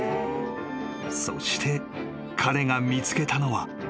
［そして彼が見つけたのは］